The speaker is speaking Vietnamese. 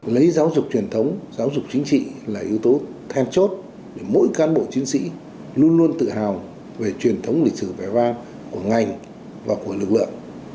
lấy giáo dục truyền thống giáo dục chính trị là yếu tố then chốt để mỗi cán bộ chiến sĩ luôn luôn tự hào về truyền thống lịch sử vẻ vang của ngành và của lực lượng